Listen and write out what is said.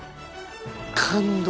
感動！